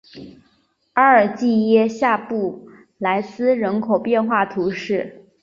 阿尔济耶尔下布来斯人口变化图示